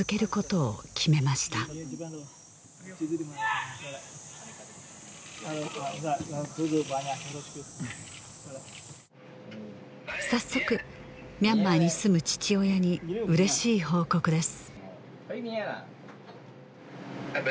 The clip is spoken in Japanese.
・よろしく早速ミャンマーに住む父親にうれしい報告です